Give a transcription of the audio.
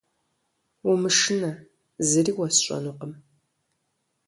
Умышынэ, зыри уэсщӏэнукъым.